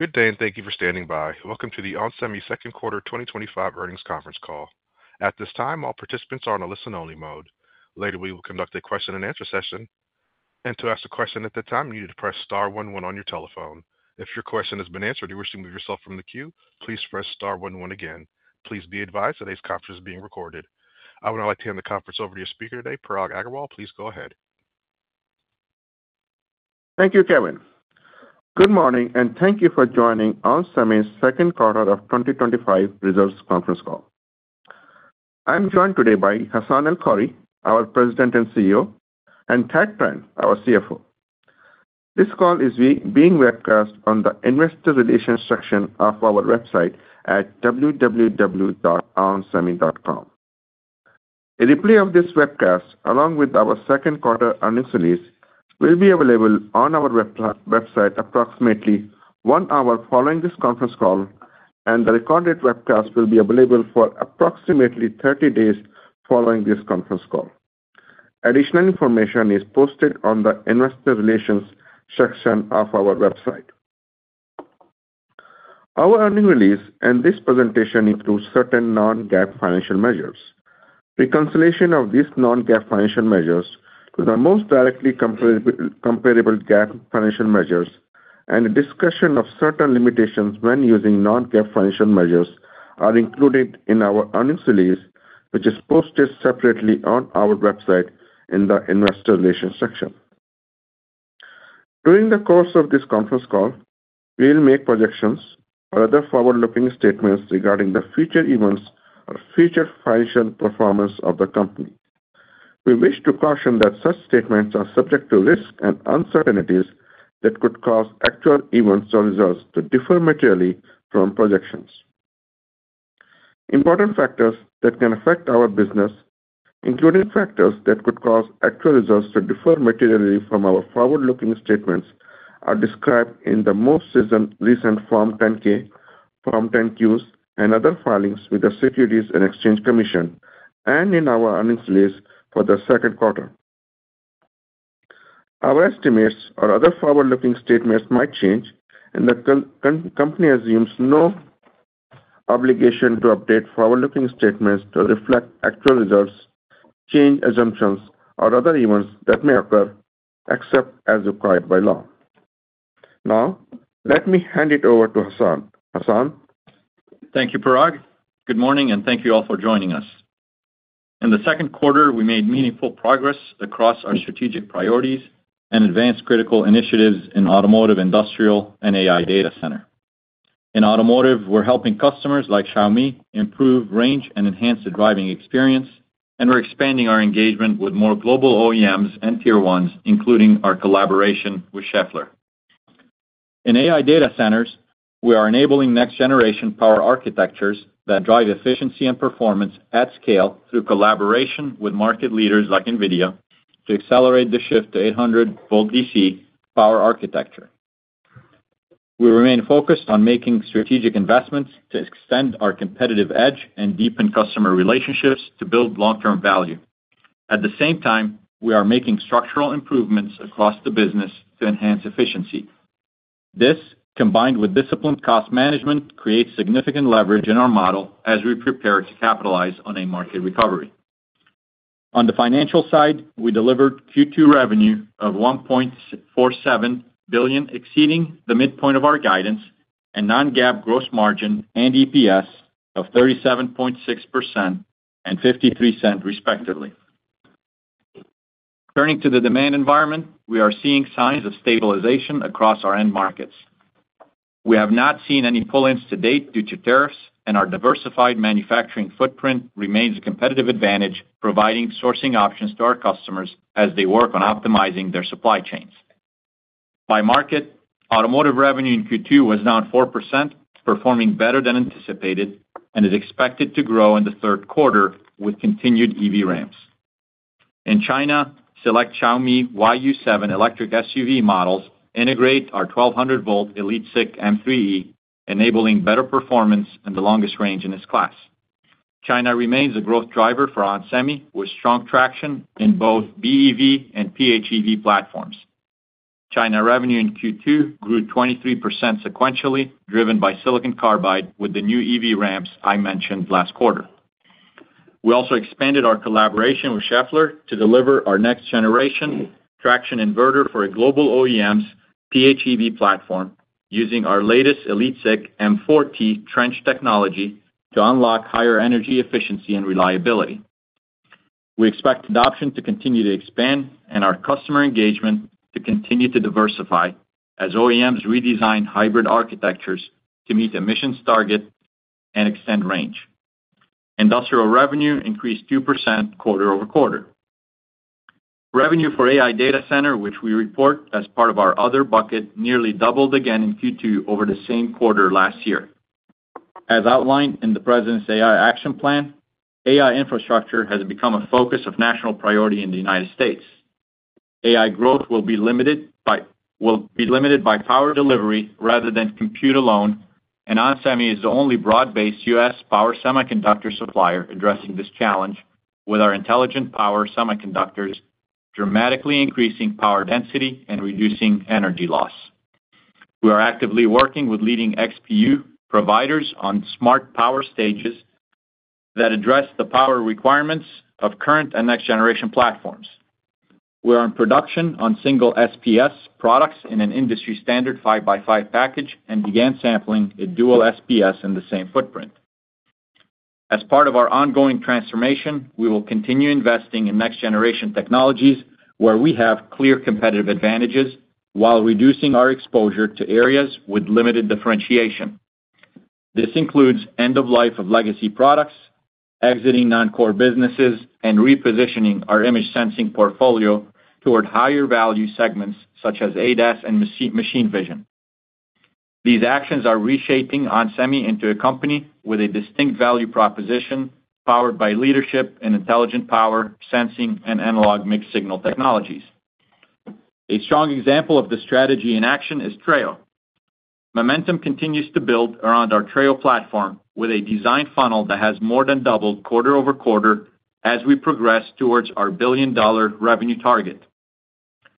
Good day and thank you for standing by. Welcome to the ON Semiconductor second quarter 2025 earnings conference call. At this time, all participants are in a listen-only mode. Later, we will conduct a question and answer session. To ask a question at that time, you need to press *one one on your telephone. If your question has been answered and you wish to remove yourself from the queue, please press *one one again. Please be advised today's conference is being recorded. I would now like to hand the conference over to your speaker today, Parag Agarwal. Please go ahead. Thank you, Kevin. Good morning and thank you for joining ON Semiconductor 2025 results conference call. I'm joined today by Hassane El-Khoury, our President and CEO, and Thad Trent, our CFO. This call is being webcast on the investor relations section of our website at www.onsemi.com. A replay of this webcast, along with our second quarter earnings release, will be available on our website approximately one hour following this conference call, and the recorded webcast will be available for approximately 30 days following this conference call. Additional information is posted on the investor relations section of our website. Our earnings release and this presentation include certain non-GAAP financial measures. Reconciliation of these non-GAAP financial measures to the most directly comparable GAAP financial measures and a discussion of certain limitations when using non-GAAP financial measures are included in our earnings release, which is posted separately on our website in the investor relations section. During the course of this conference call, we will make projections or other forward-looking statements regarding the future events or future financial performance of the company. We wish to caution that such statements are subject to risk and uncertainties that could cause actual events or results to differ materially from projections. Important factors that can affect our business, including factors that could cause actual results to differ materially from our forward-looking statements, are described in the most recent Form 10-K, Form 10-Qs, and other filings with the Securities and Exchange Commission and in our earnings release for the second quarter. Our estimates or other forward-looking statements might change, and the company assumes no obligation to update forward-looking statements to reflect actual results, change assumptions, or other events that may occur except as required by law. Now, let me hand it over to Hassane. Hassane. Thank you, Parag. Good morning and thank you all for joining us. In the second quarter, we made meaningful progress across our strategic priorities and advanced critical initiatives in the automotive, industrial, and AI data center. In automotive, we're helping customers like Xiaomi improve range and enhance the driving experience, and we're expanding our engagement with more global OEMs and tier ones, including our collaboration with Schaeffler. In AI data centers, we are enabling next-generation power architectures that drive efficiency and performance at scale through collaboration with market leaders like NVIDIA to accelerate the shift to 800 VDC power architecture. We remain focused on making strategic investments to extend our competitive edge and deepen customer relationships to build long-term value. At the same time, we are making structural improvements across the business to enhance efficiency. This, combined with disciplined cost management, creates significant leverage in our model as we prepare to capitalize on a market recovery. On the financial side, we delivered Q2 revenue of $1.47 billion, exceeding the midpoint of our guidance, and non-GAAP gross margin and EPS of 37.6% and $0.53, respectively. Turning to the demand environment, we are seeing signs of stabilization across our end markets. We have not seen any pull-ins to date due to tariffs, and our diversified manufacturing footprint remains a competitive advantage, providing sourcing options to our customers as they work on optimizing their supply chains. By market, automotive revenue in Q2 was down 4%, performing better than anticipated, and is expected to grow in the third quarter with continued EV ramps. In China, select Xiaomi YU7 electric SUV models integrate our 1200-volt EliteSiC M3E, enabling better performance and the longest range in its class. China remains a growth driver for ON Semiconductor with strong traction in both BEV and PHEV platforms. China revenue in Q2 grew 23% sequentially, driven by silicon carbide with the new EV ramps I mentioned last quarter. We also expanded our collaboration with Schaeffler to deliver our next-generation traction inverter for a global OEM's PHEV platform, using our latest 1200-volt EliteSiC M4T trench technology to unlock higher energy efficiency and reliability. We expect adoption to continue to expand and our customer engagement to continue to diversify as OEMs redesign hybrid architectures to meet emissions targets and extend range. Industrial revenue increased 2% quarter-over-quarter. Revenue for AI data center, which we report as part of our other bucket, nearly doubled again in Q2 over the same quarter last year. As outlined in the President's AI Action Plan, AI infrastructure has become a focus of national priority in the United States. AI growth will be limited by power delivery rather than compute alone, and ON Semiconductor is the only broad-based U.S. power semiconductor supplier addressing this challenge with our intelligent power semiconductors, dramatically increasing power density and reducing energy loss. We are actively working with leading XPU providers on smart power stages that address the power requirements of current and next-generation platforms. We are in production on single SPS products in an industry standard 5x5 package and began sampling a dual SPS in the same footprint. As part of our ongoing transformation, we will continue investing in next-generation technologies where we have clear competitive advantages while reducing our exposure to areas with limited differentiation. This includes end-of-life of legacy products, exiting non-core businesses, and repositioning our image sensing portfolio toward higher value segments such as ADAS and machine vision. These actions are reshaping ON Semiconductor into a company with a distinct value proposition powered by leadership in intelligent power sensing and analog mixed signal technologies. A strong example of the strategy in action is Trayo. Momentum continues to build around our Trayo platform with a design funnel that has more than doubled quarter-over-quarter as we progress towards our billion-dollar revenue target.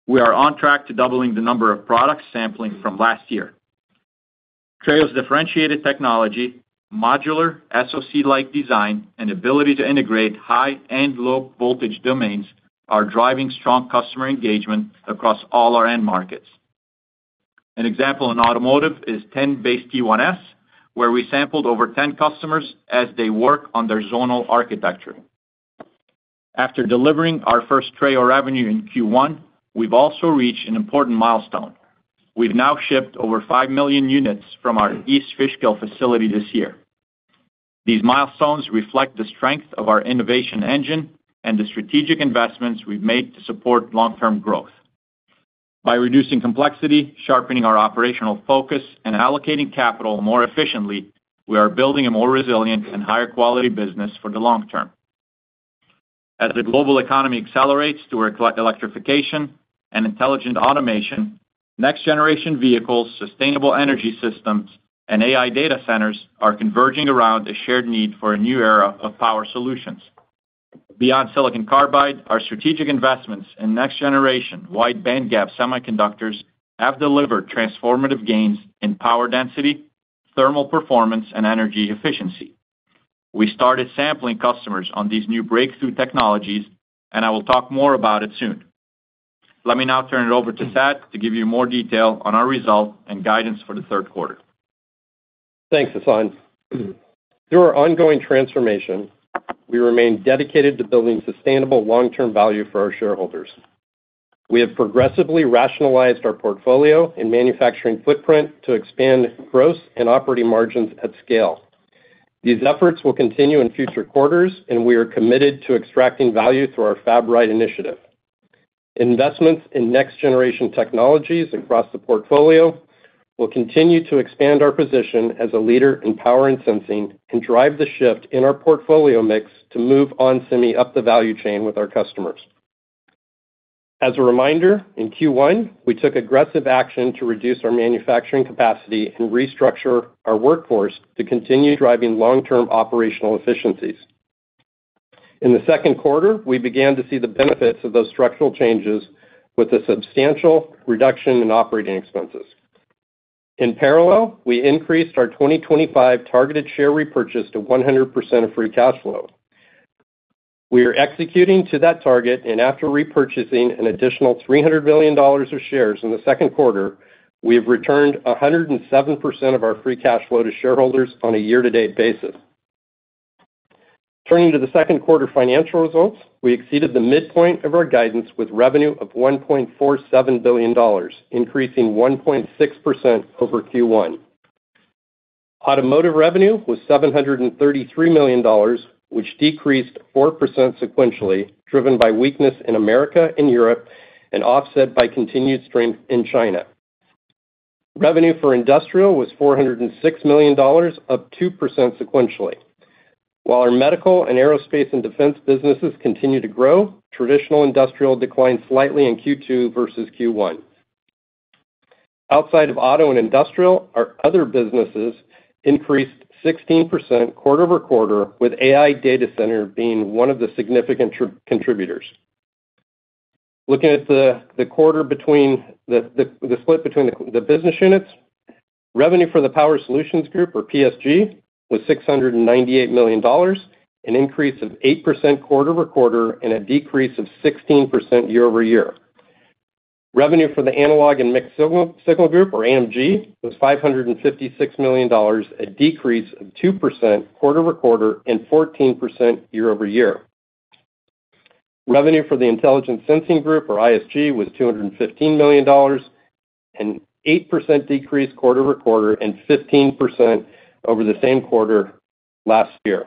We are on track to double the number of products sampling from last year. Trayo's differentiated technology, modular SoC-like design, and ability to integrate high and low voltage domains are driving strong customer engagement across all our end markets. An example in automotive is 10BASE-T1S, where we sampled over 10 customers as they work on their zonal architecture. After delivering our first Trayo revenue in Q1, we've also reached an important milestone. We've now shipped over 5 million units from our East Fishkill facility this year. These milestones reflect the strength of our innovation engine and the strategic investments we've made to support long-term growth. By reducing complexity, sharpening our operational focus, and allocating capital more efficiently, we are building a more resilient and higher-quality business for the long term. As the global economy accelerates toward electrification and intelligent automation, next-generation vehicles, sustainable energy systems, and AI data centers are converging around a shared need for a new era of power solutions. Beyond silicon carbide, our strategic investments in next-generation wide-bandgap semiconductors have delivered transformative gains in power density, thermal performance, and energy efficiency. We started sampling customers on these new breakthrough technologies, and I will talk more about it soon. Let me now turn it over to Thad to give you more detail on our results and guidance for the third quarter. Thanks, Hassane. Through our ongoing transformation, we remain dedicated to building sustainable long-term value for our shareholders. We have progressively rationalized our portfolio and manufacturing footprint to expand gross and operating margins at scale. These efforts will continue in future quarters, and we are committed to extracting value through our FabRight initiative. Investments in next-generation technologies across the portfolio will continue to expand our position as a leader in power and sensing and drive the shift in our portfolio mix to move ON Semiconductor up the value chain with our customers. As a reminder, in Q1, we took aggressive action to reduce our manufacturing capacity and restructure our workforce to continue driving long-term operational efficiencies. In the second quarter, we began to see the benefits of those structural changes with a substantial reduction in operating expenses. In parallel, we increased our 2025 targeted share repurchase to 100% of free cash flow. We are executing to that target, and after repurchasing an additional $300 million of shares in the second quarter, we have returned 107% of our free cash flow to shareholders on a year-to-date basis. Turning to the second quarter financial results, we exceeded the midpoint of our guidance with revenue of $1.47 billion, increasing 1.6% over Q1. Automotive revenue was $733 million, which decreased 4% sequentially, driven by weakness in America and Europe and offset by continued strength in China. Revenue for industrial was $406 million, up 2% sequentially. While our medical and aerospace and defense businesses continue to grow, traditional industrial declined slightly in Q2 versus Q1. Outside of auto and industrial, our other businesses increased 16% quarter-over-quarter, with AI data center being one of the significant contributors. Looking at the quarter between the split between the business units, revenue for the Power Solutions Group, or PSG, was $698 million, an increase of 8% quarter-over-quarter, and a decrease of 16% year-over-year. Revenue for the Analog and Mixed Signal Group, or AMG, was $556 million, a decrease of 2% quarter-over-quarter and 14% year-over-year. Revenue for the Intelligent Sensing Group, or ISG, was $215 million, an 8% decrease quarter-over-quarter and 15% over the same quarter last year.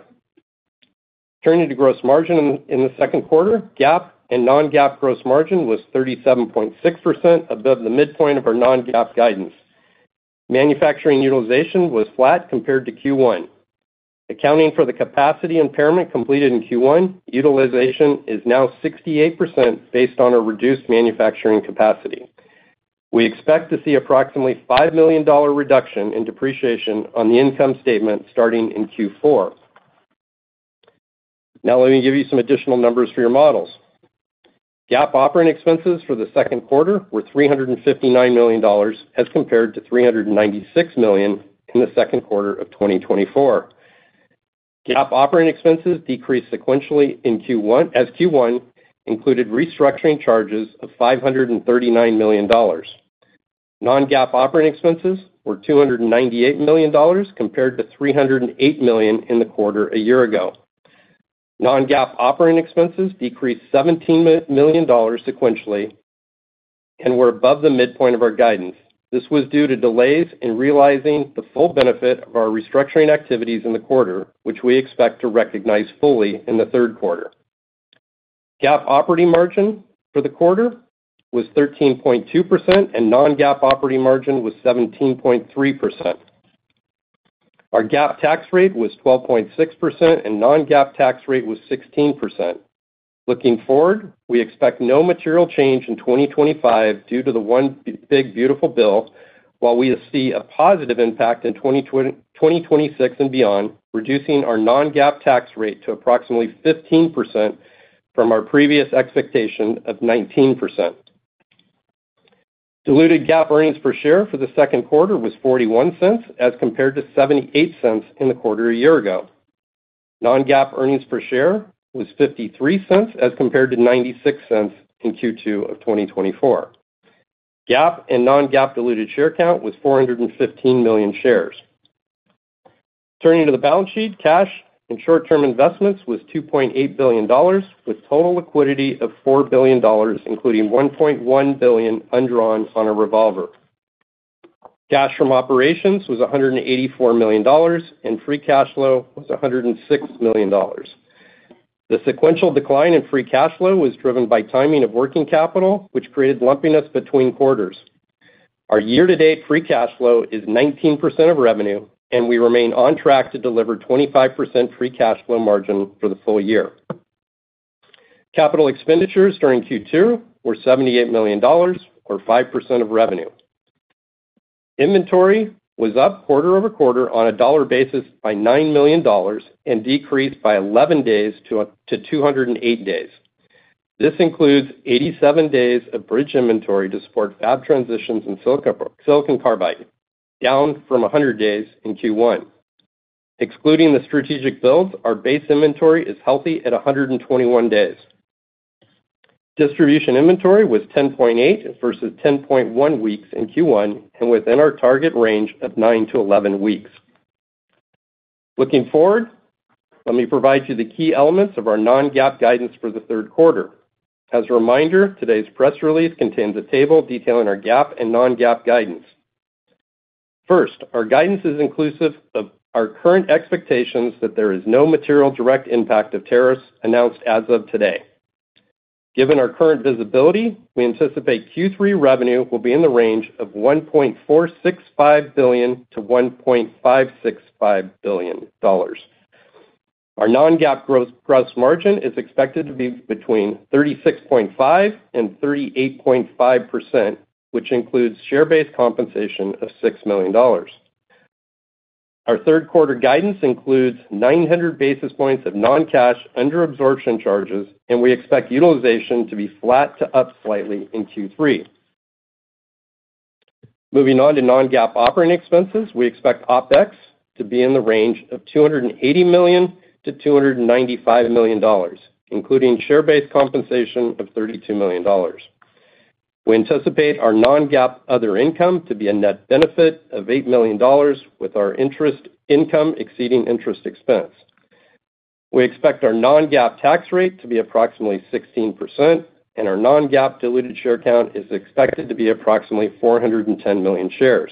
Turning to gross margin in the second quarter, GAAP and non-GAAP gross margin was 37.6%, above the midpoint of our non-GAAP guidance. Manufacturing utilization was flat compared to Q1. Accounting for the capacity impairment completed in Q1, utilization is now 68% based on our reduced manufacturing capacity. We expect to see approximately a $5 million reduction in depreciation on the income statement starting in Q4. Now, let me give you some additional numbers for your models. GAAP operating expenses for the second quarter were $359 million as compared to $396 million in the second quarter of 2024. GAAP operating expenses decreased sequentially in Q1 as Q1 included restructuring charges of $539 million. Non-GAAP operating expenses were $298 million compared to $308 million in the quarter a year ago. Non-GAAP operating expenses decreased $17 million sequentially and were above the midpoint of our guidance. This was due to delays in realizing the full benefit of our restructuring activities in the quarter, which we expect to recognize fully in the third quarter. GAAP operating margin for the quarter was 13.2%, and non-GAAP operating margin was 17.3%. Our GAAP tax rate was 12.6%, and non-GAAP tax rate was 16%. Looking forward, we expect no material change in 2025 due to the One Big Beautiful Bill, while we see a positive impact in 2026 and beyond, reducing our non-GAAP tax rate to approximately 15% from our previous expectation of 19%. Diluted GAAP earnings per share for the second quarter was $0.41 as compared to $0.78 in the quarter a year ago. Non-GAAP earnings per share was $0.53 as compared to $0.96 in Q2 of 2024. GAAP and non-GAAP diluted share count was 415 million shares. Turning to the balance sheet, cash and short-term investments were $2.8 billion, with total liquidity of $4 billion, including $1.1 billion undrawn on a revolver. Cash from operations was $184 million, and free cash flow was $106 million. The sequential decline in free cash flow was driven by timing of working capital, which created lumpiness between quarters. Our year-to-date free cash flow is 19% of revenue, and we remain on track to deliver 25% free cash flow margin for the full year. Capital expenditures during Q2 were $78 million, or 5% of revenue. Inventory was up quarter-over-quarter on a dollar basis by $9 million and decreased by 11 days to 208 days. This includes 87 days of bridge inventory to support fab transitions in silicon carbide, down from 100 days in Q1. Excluding the strategic builds, our base inventory is healthy at 121 days. Distribution inventory was 10.8 versus 10.1 weeks in Q1, and within our target range of 9 to 11 weeks. Looking forward, let me provide you the key elements of our non-GAAP guidance for the third quarter. As a reminder, today's press release contains a table detailing our GAAP and non-GAAP guidance. First, our guidance is inclusive of our current expectations that there is no material direct impact of tariffs announced as of today. Given our current visibility, we anticipate Q3 revenue will be in the range of $1.465 billion-$1.565 billion. Our non-GAAP gross margin is expected to be between 36.5% and 38.5%, which includes share-based compensation of $6 million. Our third quarter guidance includes 900 basis points of non-cash under-absorption charges, and we expect utilization to be flat to up slightly in Q3. Moving on to non-GAAP operating expenses, we expect OpEx to be in the range of $280 million-$295 million, including share-based compensation of $32 million. We anticipate our non-GAAP other income to be a net benefit of $8 million, with our interest income exceeding interest expense. We expect our non-GAAP tax rate to be approximately 16%, and our non-GAAP diluted share count is expected to be approximately 410 million shares.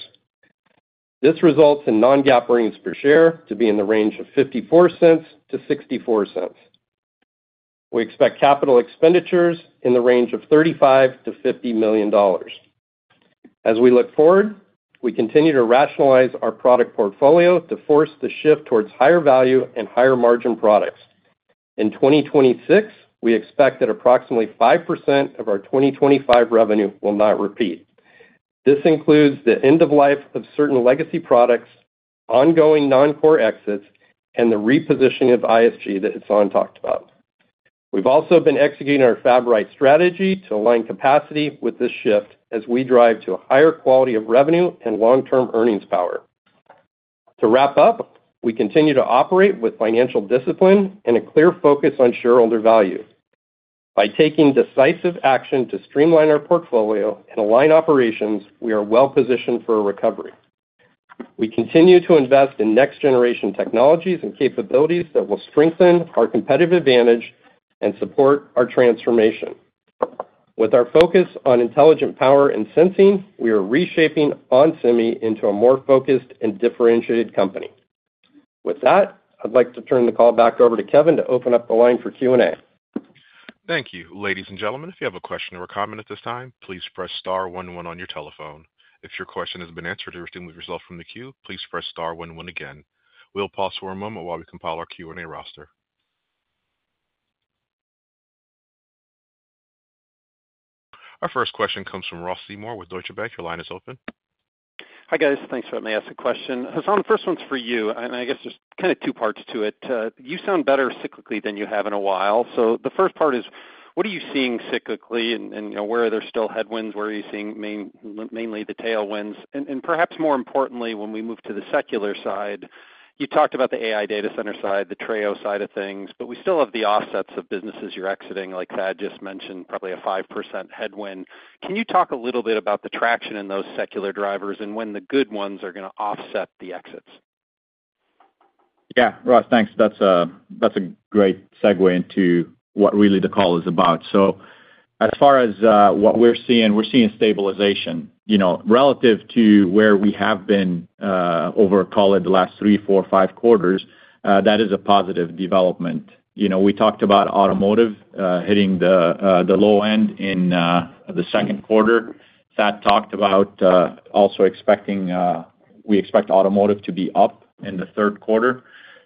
This results in non-GAAP earnings per share to be in the range of $0.54 -$0.64. We expect capital expenditures in the range of $35 million-$50 million. As we look forward, we continue to rationalize our product portfolio to force the shift towards higher value and higher margin products. In 2026, we expect that approximately 5% of our 2025 revenue will not repeat. This includes the end-of-life of certain legacy products, ongoing non-core exits, and the repositioning of Intelligent Sensing Group that Hassane talked about. We've also been executing our FabRight strategy to align capacity with this shift as we drive to a higher quality of revenue and long-term earnings power. To wrap up, we continue to operate with financial discipline and a clear focus on shareholder value. By taking decisive action to streamline our portfolio and align operations, we are well positioned for a recovery. We continue to invest in next-generation technologies and capabilities that will strengthen our competitive advantage and support our transformation. With our focus on intelligent power and sensing, we are reshaping ON Semiconductor into a more focused and differentiated company. With that, I'd like to turn the call back over to Kevin to open up the line for Q&A. Thank you. Ladies and gentlemen, if you have a question or a comment at this time, please press *one one on your telephone. If your question has been answered and you're removing yourself from the queue, please press *one one again. We'll pause for a moment while we compile our Q&A roster. Our first question comes from Ross Seymour Seymore with Deutsche Bank. Your line is open. Hi guys, thanks for letting me ask a question. Hassane, the first one's for you, and I guess there's kind of two parts to it. You sound better cyclically than you have in a while. The first part is, what are you seeing cyclically, and where are there still headwinds? Where are you seeing mainly the tailwinds? Perhaps more importantly, when we move to the secular side, you talked about the AI data center side, the Trayo side of things, but we still have the offsets of businesses you're exiting, like Thad just mentioned, probably a 5% headwind. Can you talk a little bit about the traction in those secular drivers and when the good ones are going to offset the exits? Yeah, Ross, thanks. That's a great segue into what really the call is about. As far as what we're seeing, we're seeing stabilization relative to where we have been over, call it, the last three, four, five quarters. That is a positive development. We talked about automotive hitting the low end in the second quarter. Thad talked about also expecting, we expect automotive to be up in the third quarter.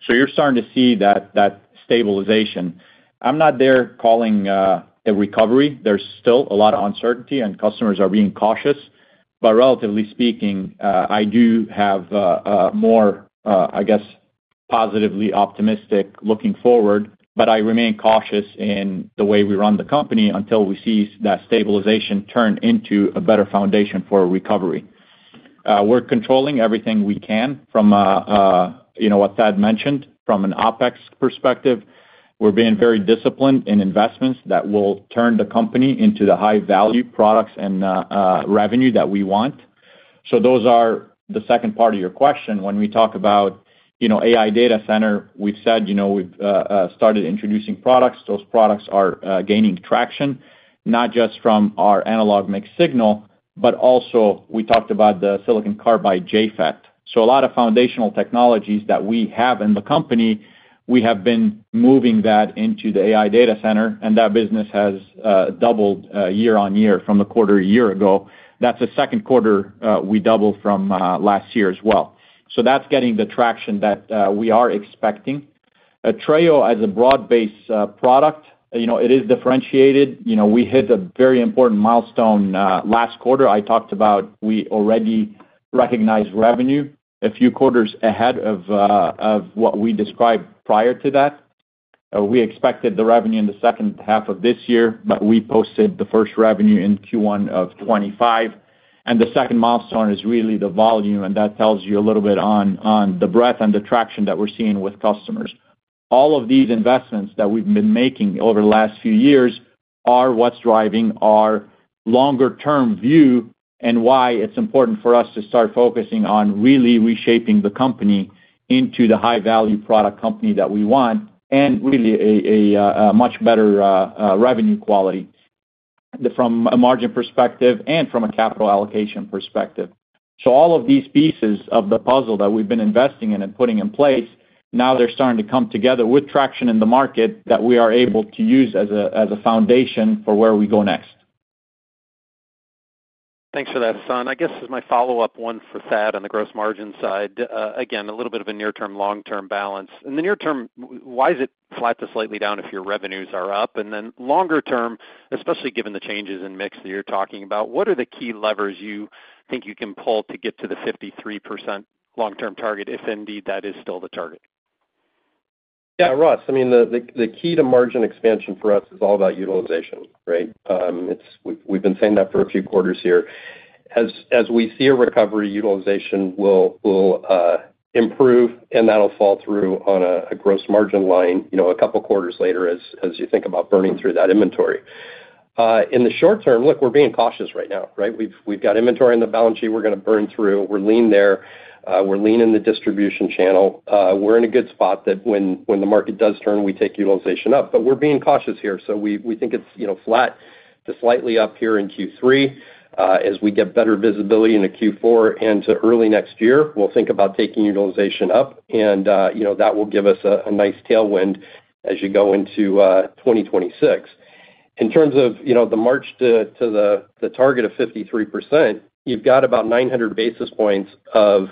You're starting to see that stabilization. I'm not there calling a recovery. There's still a lot of uncertainty and customers are being cautious. Relatively speaking, I do have a more, I guess, positively optimistic looking forward. I remain cautious in the way we run the company until we see that stabilization turn into a better foundation for a recovery. We're controlling everything we can from what Thad mentioned, from an OpEx perspective. We're being very disciplined in investments that will turn the company into the high-value products and revenue that we want. Those are the second part of your question. When we talk about AI data center, we've said we've started introducing products. Those products are gaining traction, not just from our Analog and Mixed Signal Group, but also we talked about the silicon carbide JFET. A lot of foundational technologies that we have in the company, we have been moving that into the AI data center, and that business has doubled year on year from the quarter a year ago. That's the second quarter, we doubled from last year as well. That's getting the traction that we are expecting. Trayo as a broad-based product, it is differentiated. We hit a very important milestone last quarter. I talked about we already recognized revenue a few quarters ahead of what we described prior to that. We expected the revenue in the second half of this year, but we posted the first revenue in Q1 of 2025. The second milestone is really the volume, and that tells you a little bit on the breadth and the traction that we're seeing with customers. All of these investments that we've been making over the last few years are what's driving our longer-term view and why it's important for us to start focusing on really reshaping the company into the high-value product company that we want and really a much better revenue quality from a margin perspective and from a capital allocation perspective. All of these pieces of the puzzle that we've been investing in and putting in place, now they're starting to come together with traction in the market that we are able to use as a foundation for where we go next. Thanks for that, Hassane. I guess this is my follow-up one for Thad on the gross margin side. Again, a little bit of a near-term, long-term balance. In the near term, why is it flat to slightly down if your revenues are up? Then longer term, especially given the changes in mix that you're talking about, what are the key levers you think you can pull to get to the 53% long-term target, if indeed that is still the target? Yeah, Ross, I mean, the key to margin expansion for us is all about utilization, right? We've been saying that for a few quarters here. As we see a recovery, utilization will improve, and that'll fall through on a gross margin line a couple quarters later as you think about burning through that inventory. In the short term, look, we're being cautious right now, right? We've got inventory in the balance sheet we're going to burn through. We're lean there. We're lean in the distribution channel. We're in a good spot that when the market does turn, we take utilization up. We're being cautious here. We think it's flat to slightly up here in Q3. As we get better visibility into Q4 and into early next year, we'll think about taking utilization up. That will give us a nice tailwind as you go into 2026. In terms of the march to the target of 53%, you've got about 900 basis points of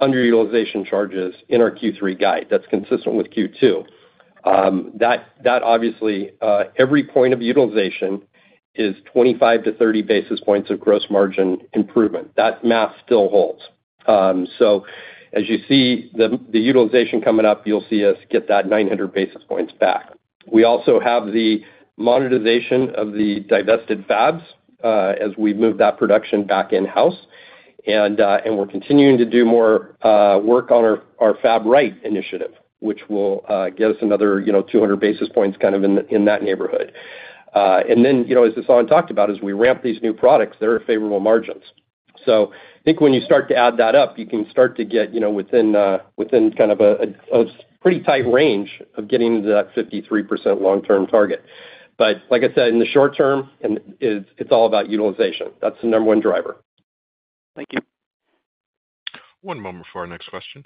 underutilization charges in our Q3 guide. That's consistent with Q2. That obviously, every point of utilization is 25-30 basis points of gross margin improvement. That math still holds. As you see the utilization coming up, you'll see us get that 900 basis points back. We also have the monetization of the divested fabs as we move that production back in-house. We're continuing to do more work on our FabRight initiative, which will get us another 200 basis points kind of in that neighborhood. Then, as Hassane talked about, as we ramp these new products, there are favorable margins. I think when you start to add that up, you can start to get within kind of a pretty tight range of getting to that 53% long-term target. Like I said, in the short term, it's all about utilization. That's the number one driver. Thank you. One moment for our next question.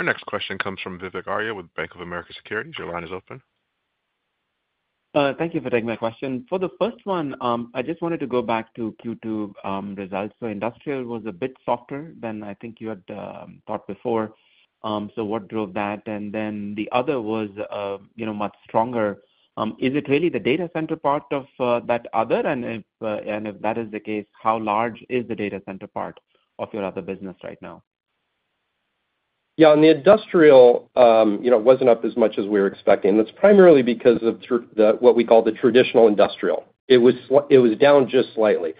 Our next question comes from Vivek Arya with Bank of America. Your line is open. Thank you for taking the question. For the first one, I just wanted to go back to Q2 results. Industrial was a bit softer than I think you had thought before. What drove that? The other was, you know, much stronger. Is it really the data center part of that other? If that is the case, how large is the data center part of your other business right now? Yeah, on the industrial, you know, it wasn't up as much as we were expecting. That's primarily because of what we call the traditional industrial. It was down just slightly.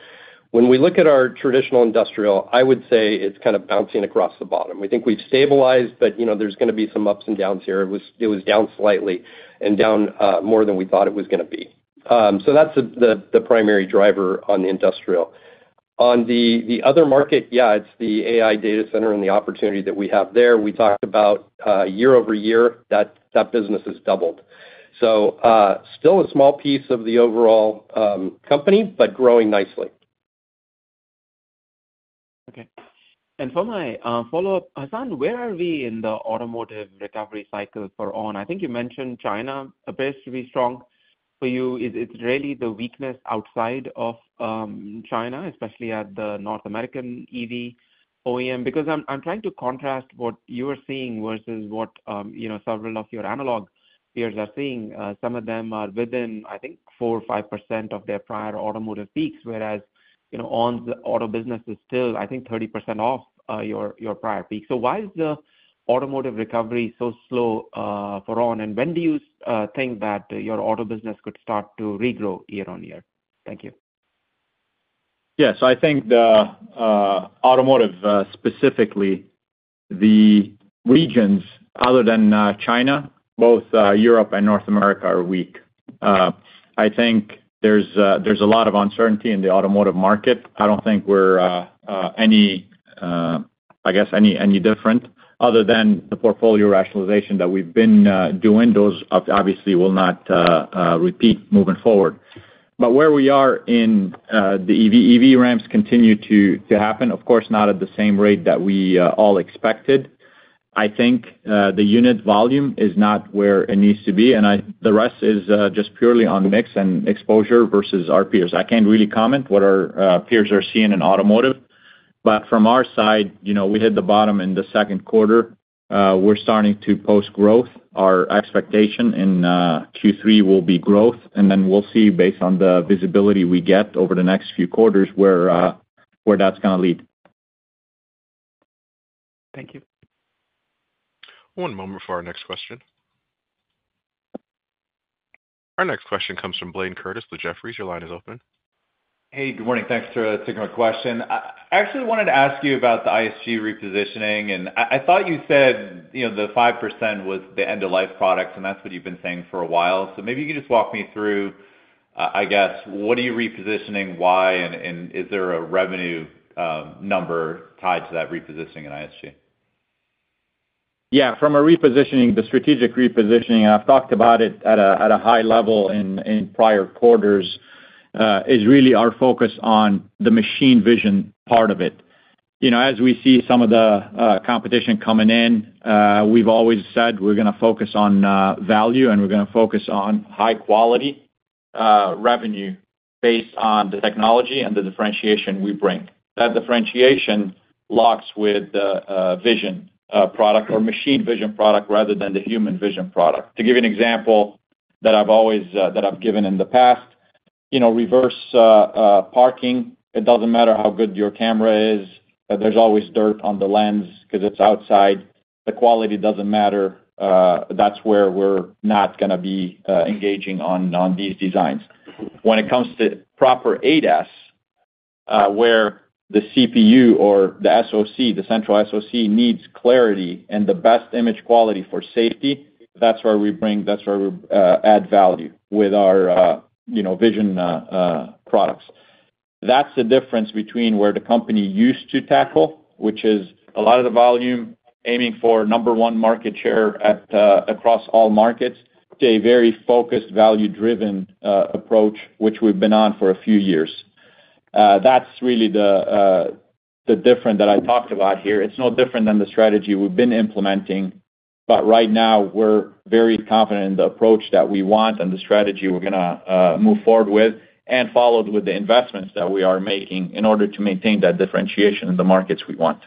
When we look at our traditional industrial, I would say it's kind of bouncing across the bottom. We think we've stabilized, but you know, there's going to be some ups and downs here. It was down slightly and down more than we thought it was going to be. That's the primary driver on the industrial. On the other market, yeah, it's the AI data center and the opportunity that we have there. We talked about year-over-year that that business has doubled. Still a small piece of the overall company, but growing nicely. Okay. For my follow-up, Hassane, where are we in the automotive recovery cycle for ON Semiconductor? I think you mentioned China appears to be strong for you. Is it really the weakness outside of China, especially at the North American EV OEM? I'm trying to contrast what you are seeing versus what several of your analog peers are seeing. Some of them are within 4% or 5% of their prior automotive peaks, whereas ON Semiconductor's auto business is still, I think, 30% off your prior peak. Why is the automotive recovery so slow for ON Semiconductor? When do you think that your auto business could start to regrow year on year? Thank you. Yeah, I think the automotive, specifically, the regions other than China, both Europe and North America are weak. I think there's a lot of uncertainty in the automotive market. I don't think we're any different other than the portfolio rationalization that we've been doing. Those obviously will not repeat moving forward. Where we are in the EV, EV ramps continue to happen. Of course, not at the same rate that we all expected. I think the unit volume is not where it needs to be. The rest is just purely on mix and exposure versus our peers. I can't really comment what our peers are seeing in automotive. From our side, we hit the bottom in the second quarter. We're starting to post growth. Our expectation in Q3 will be growth, and then we'll see based on the visibility we get over the next few quarters where that's going to lead. Thank you. One moment for our next question. Our next question comes from Blayne Curtis with Jefferies. Your line is open. Hey, good morning. Thanks for taking my question. I actually wanted to ask you about the ISG repositioning. I thought you said the 5% was the end-of-life products, and that's what you've been saying for a while. Maybe you could just walk me through what are you repositioning, why, and is there a revenue number tied to that repositioning in ISG? Yeah, from a repositioning, the strategic repositioning, I've talked about it at a high level in prior quarters, is really our focus on the machine vision part of it. As we see some of the competition coming in, we've always said we're going to focus on value, and we're going to focus on high-quality revenue based on the technology and the differentiation we bring. That differentiation locks with the vision product or machine vision product rather than the human vision product. To give you an example that I've always given in the past, reverse parking, it doesn't matter how good your camera is, there's always dirt on the lens because it's outside. The quality doesn't matter. That's where we're not going to be engaging on these designs. When it comes to proper ADAS, where the CPU or the SoC, the central SoC, needs clarity and the best image quality for safety, that's where we bring, that's where we add value with our vision products. That's the difference between where the company used to tackle, which is a lot of the volume, aiming for number one market share across all markets, to a very focused value-driven approach, which we've been on for a few years. That's really the difference that I talked about here. It's no different than the strategy we've been implementing. Right now, we're very confident in the approach that we want and the strategy we're going to move forward with and followed with the investments that we are making in order to maintain that differentiation in the markets we want.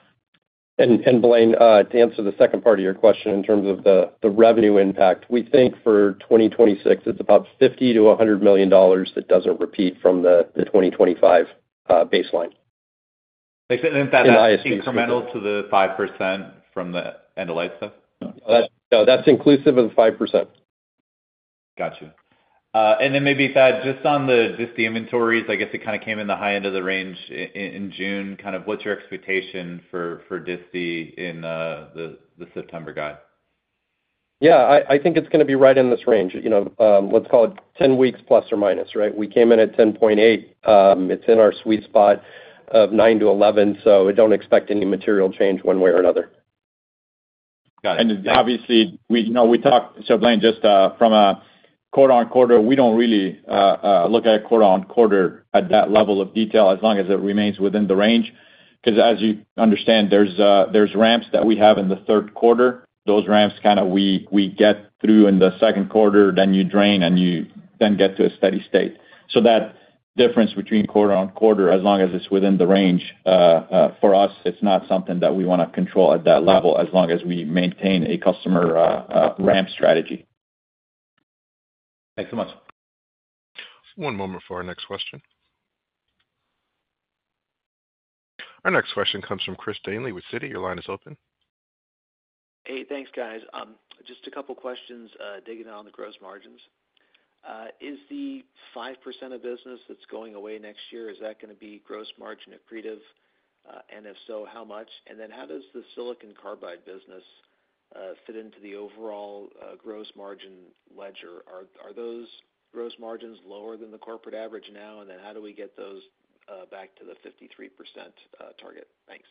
To answer the second part of your question in terms of the revenue impact, we think for 2026, it's about $50 million to $100 million that doesn't repeat from the 2025 baseline. Is that incremental to the 5% from the end-of-life stuff? No, that's inclusive of the 5%. Gotcha. Maybe Thad, just on the DISTI inventories, I guess it kind of came in the high end of the range in June. What's your expectation for DISTI in the September guide? I think it's going to be right in this range. Let's call it 10 weeks plus or minus, right? We came in at 10.8. It's in our sweet spot of 9 to 11, so I don't expect any material change one way or another. Got it. Obviously, we talk, so Blayne, just from a quarter on quarter, we don't really look at a quarter on quarter at that level of detail as long as it remains within the range. As you understand, there's ramps that we have in the third quarter. Those ramps kind of we get through in the second quarter, then you drain and you then get to a steady state. That difference between quarter on quarter, as long as it's within the range, for us, it's not something that we want to control at that level as long as we maintain a customer ramp strategy. Thanks so much. One moment for our next question. Our next question comes from Chris Danely with Citi. Your line is open. Hey, thanks guys. Just a couple of questions digging on the gross margins. Is the 5% of business that's going away next year, is that going to be gross margin accretive? If so, how much? How does the silicon carbide business fit into the overall gross margin ledger? Are those gross margins lower than the corporate average now? How do we get those back to the 53% target? Thanks.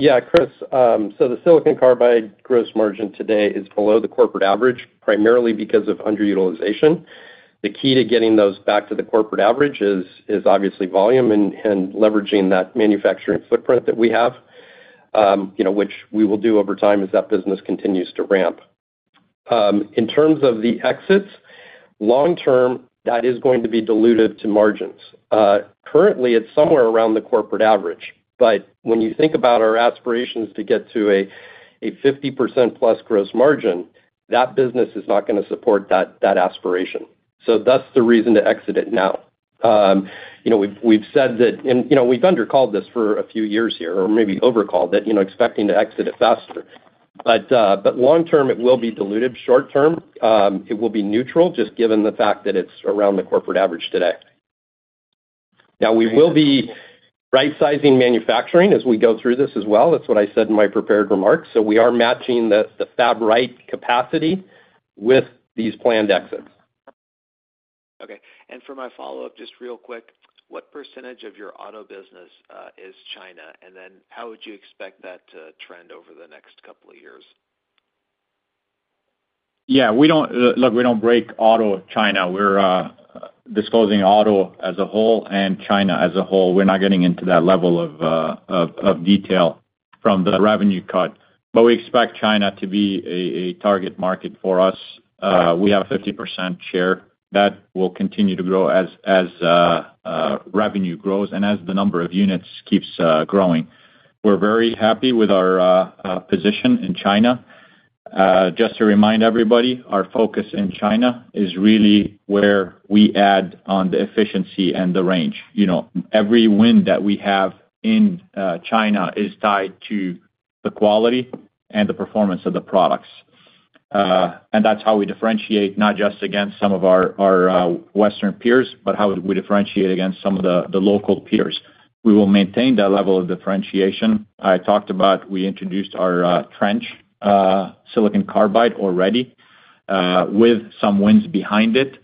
Yeah, Chris, so the silicon carbide gross margin today is below the corporate average, primarily because of underutilization. The key to getting those back to the corporate average is obviously volume and leveraging that manufacturing footprint that we have, which we will do over time as that business continues to ramp. In terms of the exits, long term, that is going to be diluted to margins. Currently, it's somewhere around the corporate average. When you think about our aspirations to get to a 50%+ gross margin, that business is not going to support that aspiration. That's the reason to exit it now. We've said that we've undercalled this for a few years here, or maybe overcalled it, expecting to exit it faster. Long term, it will be diluted. Short term, it will be neutral, just given the fact that it's around the corporate average today. We will be right-sizing manufacturing as we go through this as well. That's what I said in my prepared remarks. We are matching the FabRight capacity with these planned exits. Okay. For my follow-up, just real quick, what % of your auto business is China? How would you expect that to trend over the next couple of years? Yeah, we don't, look, we don't break auto China. We're disclosing auto as a whole and China as a whole. We're not getting into that level of detail from the revenue cut. We expect China to be a target market for us. We have a 50% share that will continue to grow as revenue grows and as the number of units keeps growing. We're very happy with our position in China. Just to remind everybody, our focus in China is really where we add on the efficiency and the range. Every win that we have in China is tied to the quality and the performance of the products. That's how we differentiate, not just against some of our Western peers, but how we differentiate against some of the local peers. We will maintain that level of differentiation. I talked about we introduced our trench silicon carbide already with some wins behind it.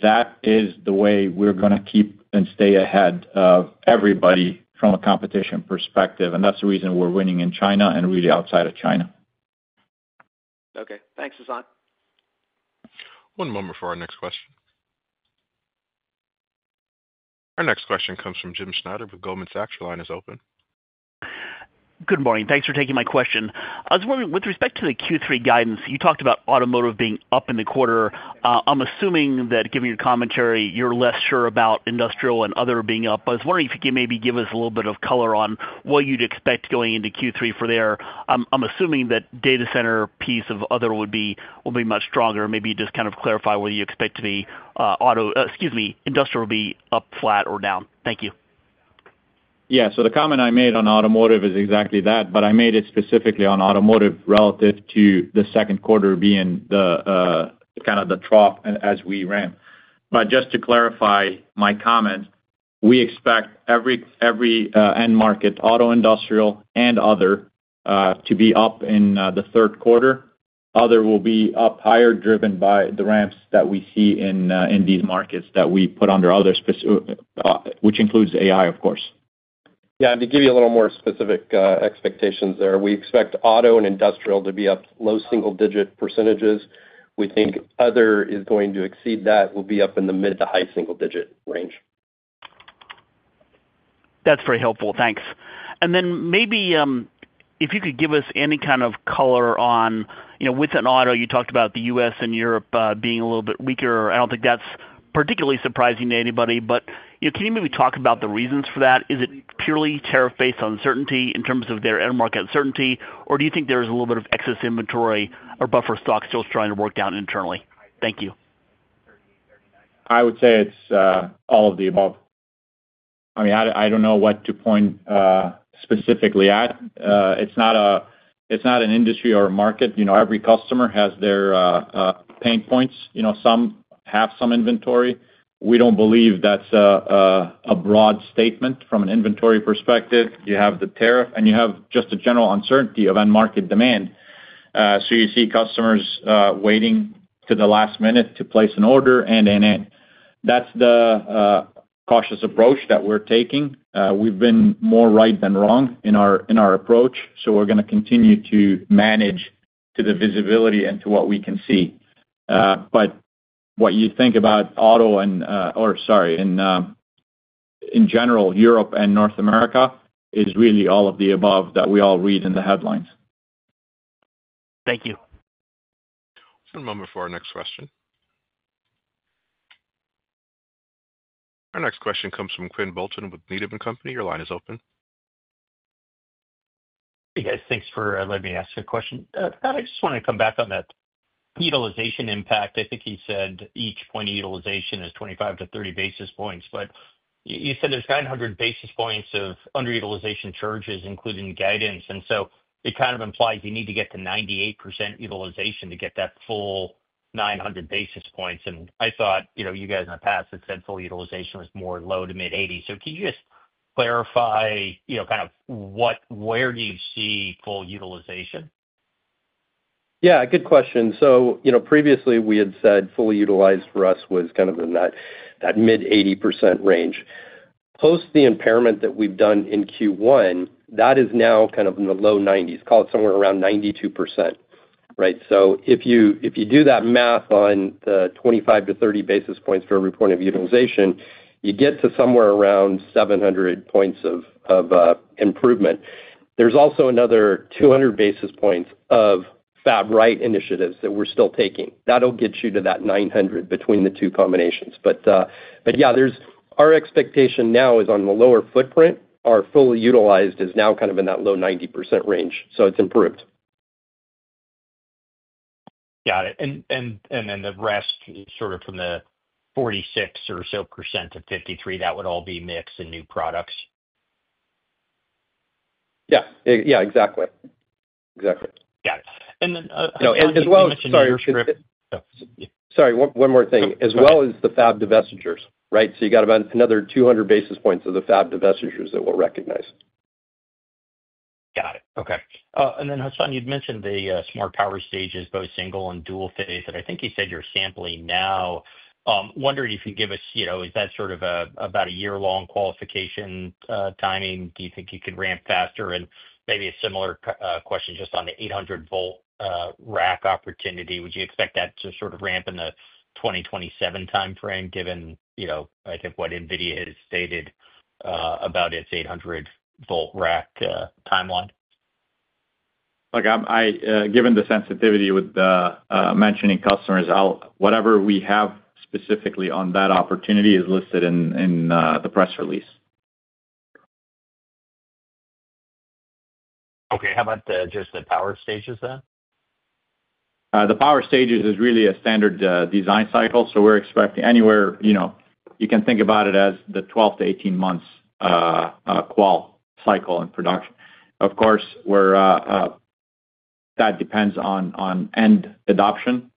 That is the way we're going to keep and stay ahead of everybody from a competition perspective. That's the reason we're winning in China and really outside of China. Okay. Thanks, Hassane. One moment for our next question. Our next question comes from Jim Schneider with Goldman Sachs. Your line is open. Good morning. Thanks for taking my question. I was wondering, with respect to the Q3 guidance, you talked about automotive being up in the quarter. I'm assuming that given your commentary, you're less sure about industrial and other being up. I was wondering if you can maybe give us a little bit of color on what you'd expect going into Q3 for there. I'm assuming that data center piece of other would be much stronger. Maybe just kind of clarify whether you expect to be auto, excuse me, industrial would be up, flat, or down. Thank you. Yeah, the comment I made on automotive is exactly that, but I made it specifically on automotive relative to the second quarter being the kind of the trough as we ran. Just to clarify my comment, we expect every end market, auto, industrial, and other to be up in the third quarter. Other will be up higher, driven by the ramps that we see in these markets that we put under others, which includes AI, of course. Yeah, to give you a little more specific expectations there, we expect auto and industrial to be up low single-digit %. We think other is going to exceed that, will be up in the mid to high single-digit % range. That's very helpful. Thanks. Maybe if you could give us any kind of color on, you know, with auto, you talked about the U.S. and Europe being a little bit weaker. I don't think that's particularly surprising to anybody, but can you maybe talk about the reasons for that? Is it purely tariff-based uncertainty in terms of their end market uncertainty, or do you think there's a little bit of excess inventory or buffer stocks still trying to work down internally? Thank you. I would say it's all of the above. I mean, I don't know what to point specifically at. It's not an industry or a market. Every customer has their pain points. Some have some inventory. We don't believe that's a broad statement from an inventory perspective. You have the tariff and you have just a general uncertainty of end market demand. You see customers waiting to the last minute to place an order, and that's the cautious approach that we're taking. We've been more right than wrong in our approach. We're going to continue to manage to the visibility and to what we can see. When you think about auto and, or sorry, in general, Europe and North America, it's really all of the above that we all read in the headlines. Thank you. One moment for our next question. Our next question comes from Quinn Bolton with Needham & Co. Your line is open. Hey guys, thanks for letting me ask a question. Thad, I just wanted to come back on that utilization impact. I think you said each point of utilization is 25-30 basis points, but you said there's 900 basis points of underutilization charges including guidance. It kind of implies you need to get to 98% utilization to get that full 900 basis points. I thought you guys in the past had said full utilization was more low to mid 80s. Can you just clarify, you know, kind of what, where do you see full utilization? Yeah, good question. Previously, we had said fully utilized for us was kind of in that mid 80% range. Post the impairment that we've done in Q1, that is now kind of in the low 90%, call it somewhere around 92%, right? If you do that math on the 25-30 basis points for every point of utilization, you get to somewhere around 700 points of improvement. There's also another 200 basis points of FabRight initiatives that we're still taking. That'll get you to that 900 between the two combinations. Our expectation now is on the lower footprint, our fully utilized is now kind of in that low 90% range. It's improved. Got it. The rest, sort of from the 46% or so to 53%, that would all be mix and new products. Yeah, exactly. Exactly. Got it. As well as the new script. Sorry, one more thing. As well as the Fab divestitures, right? You got about another 200 bps of the Fab divestitures that we'll recognize. Got it. Okay. Hassane, you'd mentioned the smart power stages, both single and dual phase, and I think you said you're sampling now. I'm wondering if you could give us, you know, is that sort of about a year-long qualification timing? Do you think you could ramp faster? Maybe a similar question just on the 800 VDC rack opportunity. Would you expect that to sort of ramp in the 2027 timeframe, given, you know, I think what NVIDIA has stated about its 800 VDC rack timeline? Given the sensitivity with the mentioning customers, whatever we have specifically on that opportunity is listed in the press release. Okay. How about just the smart power stages then? The power stages is really a standard design cycle. We're expecting anywhere, you know, you can think about it as the 12 to 18 months qual cycle in production. Of course, that depends on end adoption.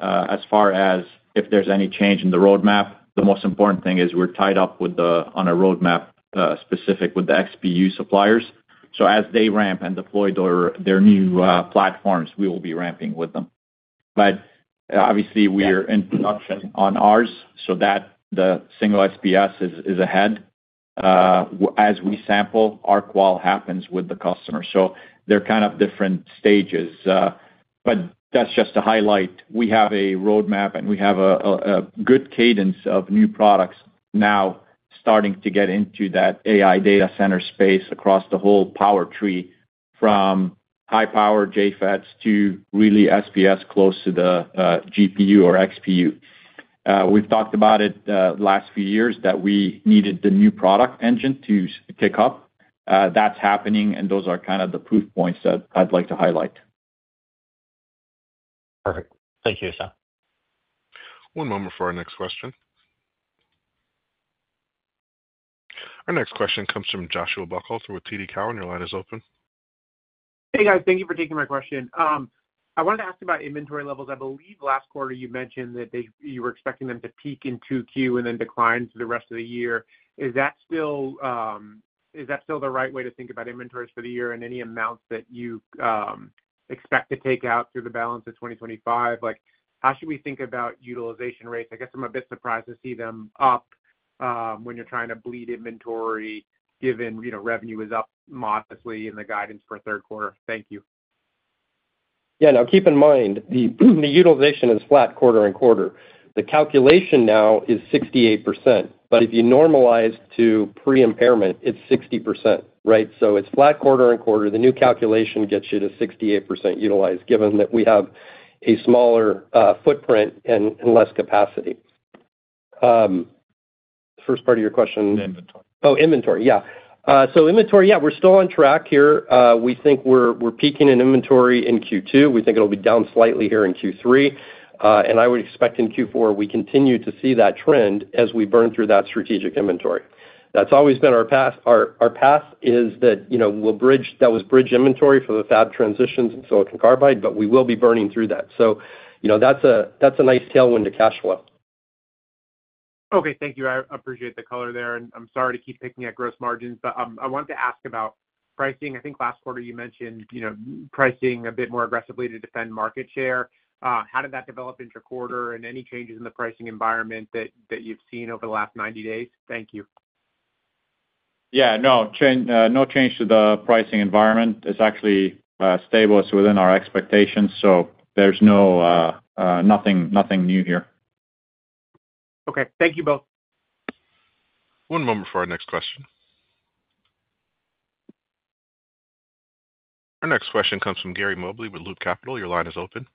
If there's any change in the roadmap, the most important thing is we're tied up on a roadmap specific with the XPU suppliers. As they ramp and deploy their new platforms, we will be ramping with them. Obviously, we are in production on ours, so that the single SPS is ahead. As we sample, our qual happens with the customer. They're kind of different stages. That's just to highlight, we have a roadmap and we have a good cadence of new products now starting to get into that AI data center space across the whole power tree from high power JFETs to really SPS close to the GPU or XPU. We've talked about it the last few years that we needed the new product engine to kick up. That's happening, and those are kind of the proof points that I'd like to highlight. Perfect. Thank you, Hassane. One moment for our next question. Our next question comes from Joshua Buchalter with TD Cowen. Your line is open. Hey guys, thank you for taking my question. I wanted to ask about inventory levels. I believe last quarter you mentioned that you were expecting them to peak in Q2 and then decline for the rest of the year. Is that still the right way to think about inventories for the year and any amounts that you expect to take out through the balance of 2025? How should we think about utilization rates? I'm a bit surprised to see them up when you're trying to bleed inventory given revenue is up modestly in the guidance for third quarter. Thank you. Yeah, now keep in mind the utilization is flat quarter on quarter. The calculation now is 68%, but if you normalize to pre-impairment, it's 60%, right? It's flat quarter on quarter. The new calculation gets you to 68% utilized given that we have a smaller footprint and less capacity. First part of your question. Inventory. Oh, inventory, yeah. Inventory, yeah, we're still on track here. We think we're peaking in inventory in Q2. We think it'll be down slightly here in Q3. I would expect in Q4 we continue to see that trend as we burn through that strategic inventory. That's always been our path. Our path is that, you know, we'll bridge, that was bridge inventory for the fab transitions and silicon carbide, but we will be burning through that. That's a nice tailwind to cash flow. Okay, thank you. I appreciate the color there. I'm sorry to keep picking at gross margins, but I wanted to ask about pricing. I think last quarter you mentioned, you know, pricing a bit more aggressively to defend market share. How did that develop interquarter, and any changes in the pricing environment that you've seen over the last 90 days? Thank you. No change to the pricing environment. It's actually stable within our expectations. There's nothing new here. Okay, thank you both. One moment for our next question. Our next question comes from Gary Mobley with Loop Capital. Your line is open.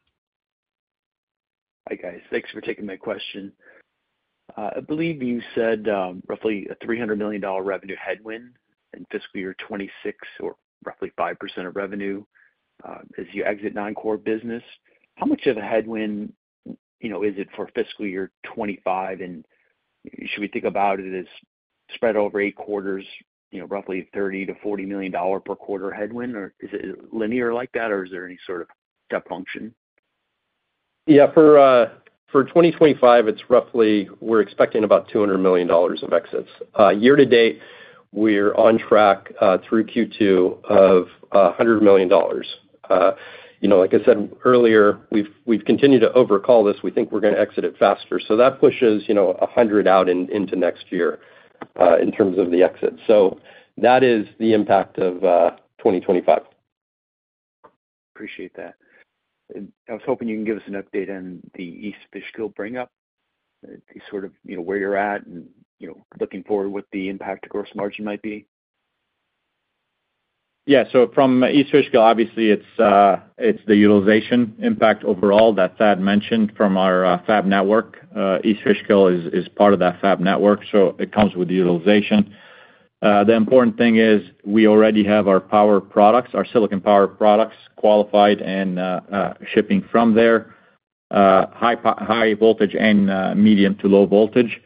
Hi guys, thanks for taking my question. I believe you said roughly a $300 million revenue headwind in fiscal year 2026 or roughly 5% of revenue as you exit non-core business. How much of a headwind is it for fiscal year 2025? Should we think about it as spread over eight quarters, roughly $30 to $40 million per quarter headwind? Is it linear like that, or is there any sort of deduction? Yeah, for 2025, it's roughly, we're expecting about $200 million of exits. Year to date, we're on track through Q2 of $100 million. Like I said earlier, we've continued to overcall this. We think we're going to exit it faster. That pushes $100 million out into next year in terms of the exit. That is the impact of 2025. Appreciate that. I was hoping you can give us an update on the East Fishkill bring-up, the sort of, you know, where you're at and, you know, looking forward to what the impact of gross margin might be. Yeah, so from East Fishkill, obviously it's the utilization impact overall that Thad mentioned from our fab network. East Fishkill is part of that fab network, so it comes with the utilization. The important thing is we already have our power products, our silicon power products qualified and shipping from there, high voltage and medium to low voltage.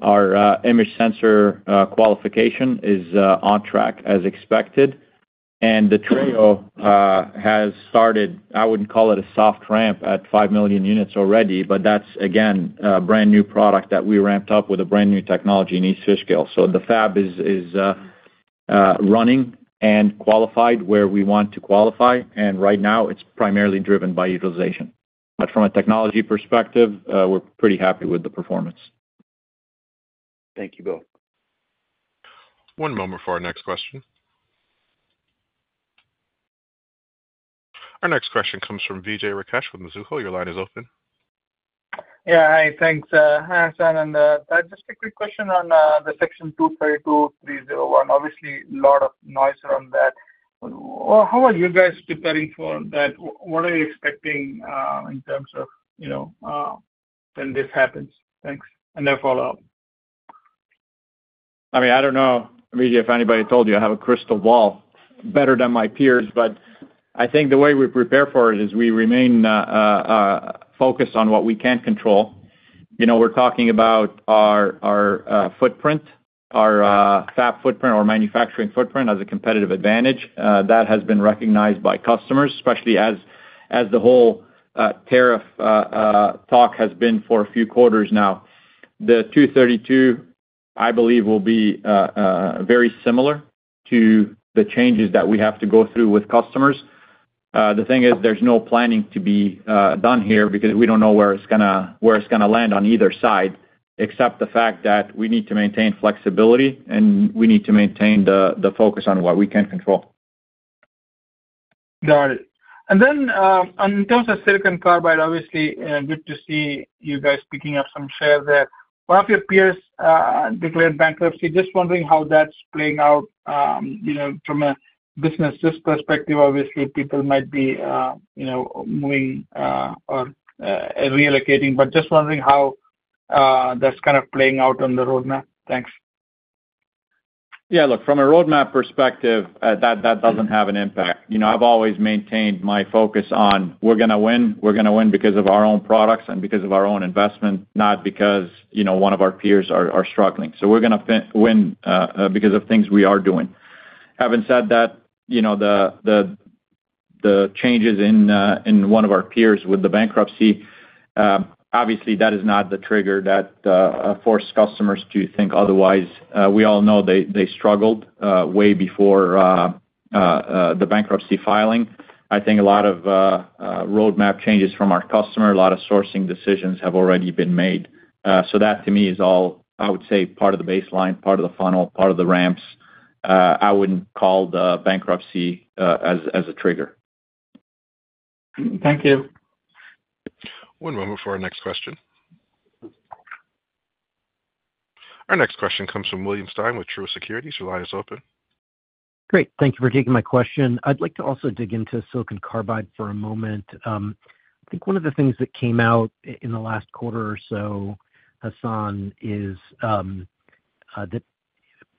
Our image sensor qualification is on track as expected. The Trayo has started, I wouldn't call it a soft ramp at 5 million units already, but that's again a brand new product that we ramped up with a brand new technology in East Fishkill. The fab is running and qualified where we want to qualify. Right now it's primarily driven by utilization. From a technology perspective, we're pretty happy with the performance. Thank you both. One moment for our next question. Our next question comes from Vijay Rakesh with Mizuho. Your line is open. Yeah, hi, thanks Hassane. Just a quick question on the section 232, please. Obviously, a lot of noise around that. How are you guys preparing for that? What are you expecting in terms of, you know, when this happens? Thanks. Then follow up. I mean, I don't know, Vijay, if anybody told you I have a crystal ball better than my peers, but I think the way we prepare for it is we remain focused on what we can't control. We're talking about our footprint, our fab footprint, our manufacturing footprint as a competitive advantage. That has been recognized by customers, especially as the whole tariff talk has been for a few quarters now. The 232, I believe, will be very similar to the changes that we have to go through with customers. The thing is, there's no planning to be done here because we don't know where it's going to land on either side, except the fact that we need to maintain flexibility and we need to maintain the focus on what we can control. Got it. In terms of silicon carbide, obviously, good to see you guys picking up some shares there. One of your peers declared bankruptcy. Just wondering how that's playing out from a business perspective. Obviously, people might be moving or reallocating, but just wondering how that's kind of playing out on the roadmap. Thanks. Yeah, look, from a roadmap perspective, that doesn't have an impact. I've always maintained my focus on we're going to win, we're going to win because of our own products and because of our own investment, not because one of our peers are struggling. We're going to win because of things we are doing. Having said that, the changes in one of our peers with the bankruptcy, obviously that is not the trigger that forced customers to think otherwise. We all know they struggled way before the bankruptcy filing. I think a lot of roadmap changes from our customer, a lot of sourcing decisions have already been made. That to me is all, I would say, part of the baseline, part of the funnel, part of the ramps. I wouldn't call the bankruptcy as a trigger. Thank you. One moment for our next question. Our next question comes from William Stein with The Truist Securities. Your line is open. Great. Thank you for taking my question. I'd like to also dig into silicon carbide for a moment. I think one of the things that came out in the last quarter or so, Hassane, is that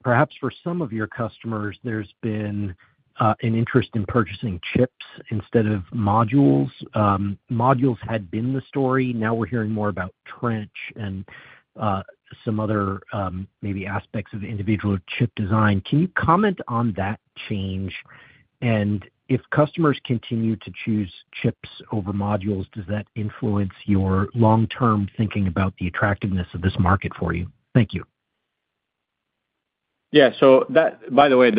perhaps for some of your customers, there's been an interest in purchasing chips instead of modules. Modules had been the story. Now we're hearing more about trench and some other maybe aspects of individual chip design. Can you comment on that change? If customers continue to choose chips over modules, does that influence your long-term thinking about the attractiveness of this market for you? Thank you. Yeah, by the way,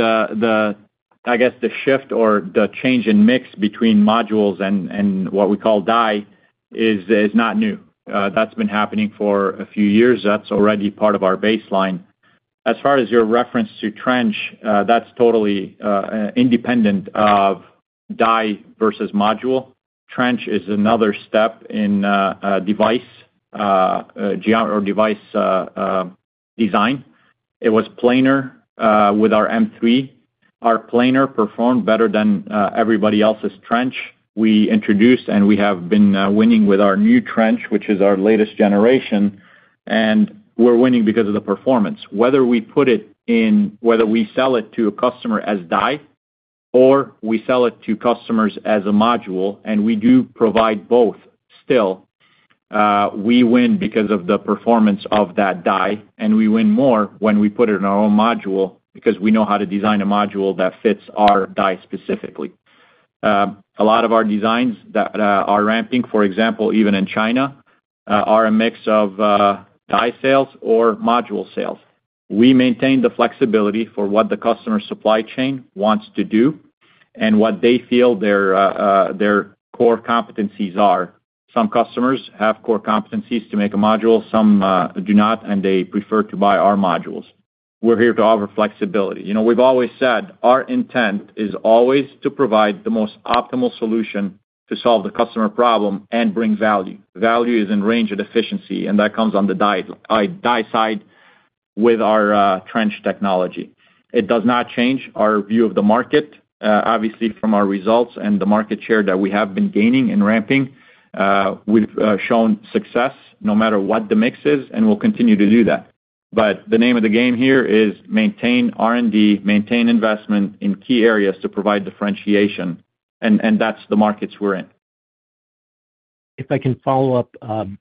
I guess the shift or the change in mix between modules and what we call die is not new. That's been happening for a few years. That's already part of our baseline. As far as your reference to trench, that's totally independent of die versus module. Trench is another step in device design. It was planar with our M3. Our planar performed better than everybody else's trench. We introduced and we have been winning with our new trench, which is our latest generation. We're winning because of the performance. Whether we put it in, whether we sell it to a customer as die, or we sell it to customers as a module, and we do provide both still, we win because of the performance of that die. We win more when we put it in our own module because we know how to design a module that fits our die specifically. A lot of our designs that are ramping, for example, even in China, are a mix of die sales or module sales. We maintain the flexibility for what the customer supply chain wants to do and what they feel their core competencies are. Some customers have core competencies to make a module, some do not, and they prefer to buy our modules. We're here to offer flexibility. We've always said our intent is always to provide the most optimal solution to solve the customer problem and bring value. Value is in range of efficiency, and that comes on the die side with our trench technology. It does not change our view of the market. Obviously, from our results and the market share that we have been gaining and ramping, we've shown success no matter what the mix is, and we'll continue to do that. The name of the game here is maintain R&D, maintain investment in key areas to provide differentiation. That's the markets we're in. If I can follow up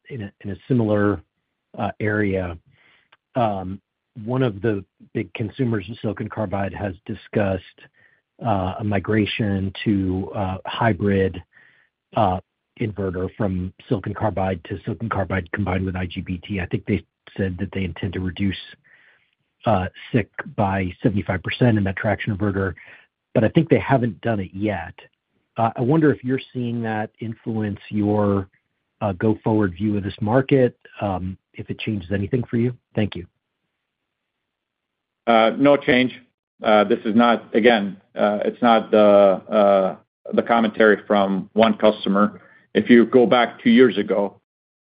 in a similar area, one of the big consumers of silicon carbide has discussed a migration to a hybrid inverter from silicon carbide to silicon carbide combined with IGBT. I think they said that they intend to reduce SiC by 75% in that traction inverter, but I think they haven't done it yet. I wonder if you're seeing that influence your go-forward view of this market, if it changes anything for you. Thank you. No change. This is not, again, it's not the commentary from one customer. If you go back two years ago,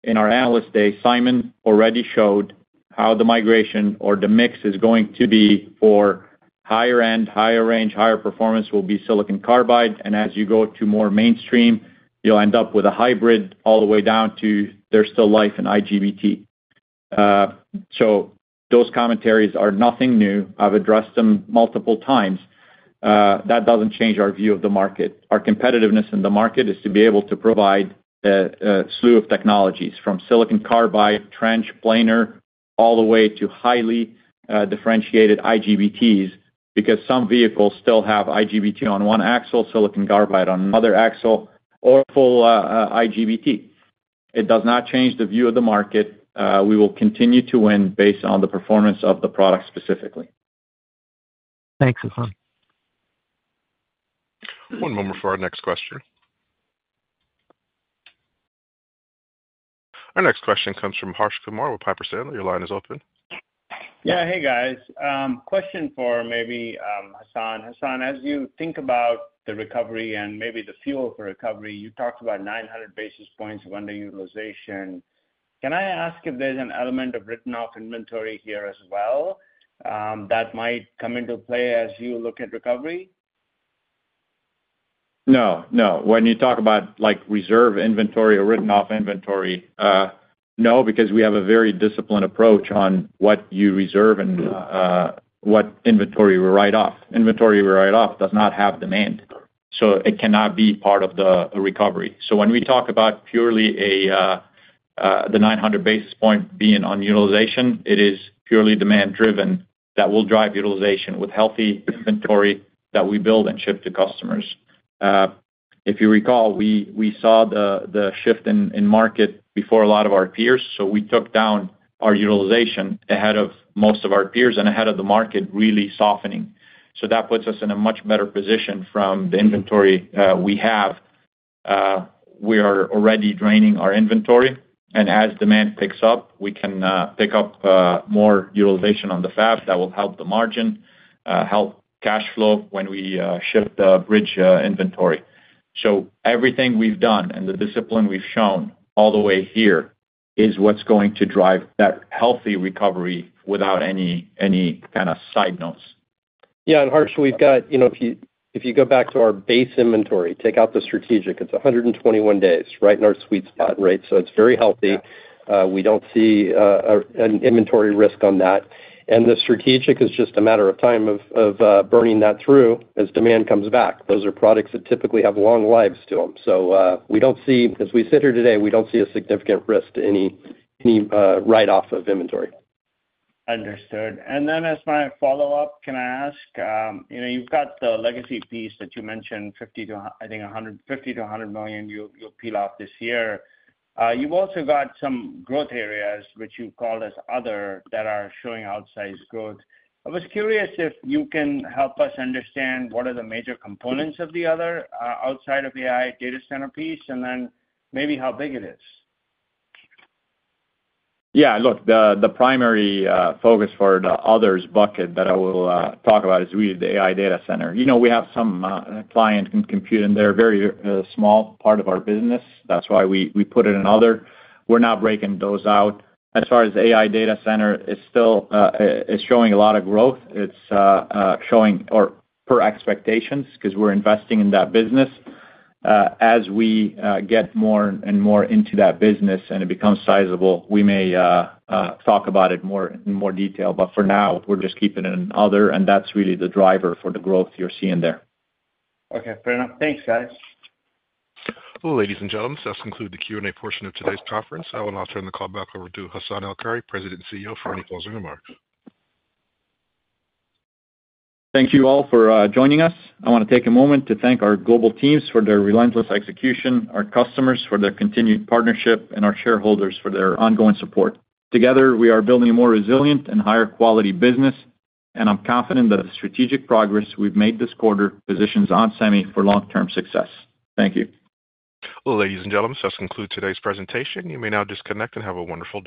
in our analyst day, Simon already showed how the migration or the mix is going to be for higher end, higher range, higher performance will be silicon carbide. As you go to more mainstream, you'll end up with a hybrid all the way down to there's still life in IGBT. Those commentaries are nothing new. I've addressed them multiple times. That doesn't change our view of the market. Our competitiveness in the market is to be able to provide a slew of technologies from silicon carbide, trench, planar, all the way to highly differentiated IGBTs because some vehicles still have IGBT on one axle, silicon carbide on another axle, or full IGBT. It does not change the view of the market. We will continue to win based on the performance of the product specifically. Thanks, Hassan. One moment for our next question. Our next question comes from Harsh Kumar with Piper Sandler. Your line is open. Yeah, hey guys. Question for maybe Hassane. Hassane, as you think about the recovery and maybe the fuel for recovery, you talked about 900 basis points of underutilization. Can I ask if there's an element of written-off inventory here as well that might come into play as you look at recovery? No, no. When you talk about like reserve inventory or written-off inventory, no, because we have a very disciplined approach on what you reserve and what inventory we write off. Inventory we write off does not have demand. It cannot be part of the recovery. When we talk about purely the 900 basis point being on utilization, it is purely demand-driven that will drive utilization with healthy inventory that we build and ship to customers. If you recall, we saw the shift in market before a lot of our peers. We took down our utilization ahead of most of our peers and ahead of the market really softening. That puts us in a much better position from the inventory we have. We are already draining our inventory, and as demand picks up, we can pick up more utilization on the fab that will help the margin, help cash flow when we shift the bridge inventory. Everything we've done and the discipline we've shown all the way here is what's going to drive that healthy recovery without any kind of side notes. Yeah, Harsh, if you go back to our base inventory, take out the strategic, it's 121 days, right in our sweet spot, right? It's very healthy. We don't see an inventory risk on that. The strategic is just a matter of time of burning that through as demand comes back. Those are products that typically have long lives to them. We don't see, as we sit here today, a significant risk to any write-off of inventory. Understood. As my follow-up, can I ask, you've got the legacy piece that you mentioned, $50 million to, I think, $150 million to $100 million you'll peel off this year. You've also got some growth areas, which you call as other, that are showing outsized growth. I was curious if you can help us understand what are the major components of the other outside of the AI data center piece and then maybe how big it is. Yeah, look, the primary focus for the others bucket that I will talk about is really the AI data center. We have some client computing there, a very small part of our business. That's why we put it in other. We're not breaking those out. As far as AI data center, it's still showing a lot of growth. It's showing per expectations because we're investing in that business. As we get more and more into that business and it becomes sizable, we may talk about it more in more detail. For now, we're just keeping it in other, and that's really the driver for the growth you're seeing there. Okay, fair enough. Thanks, guys. Ladies and gentlemen, this concludes the Q&A portion of today's conference. I will now turn the call back over to Hassane El-Khoury, President and CEO, for any closing remarks. Thank you all for joining us. I want to take a moment to thank our global teams for their relentless execution, our customers for their continued partnership, and our shareholders for their ongoing support. Together, we are building a more resilient and higher quality business, and I'm confident that the strategic progress we've made this quarter positions ON Semiconductor for long-term success. Thank you. Ladies and gentlemen, this concludes today's presentation. You may now disconnect and have a wonderful day.